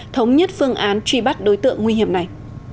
thống nhất phương án truy bắt đối tượng nguy hiểm này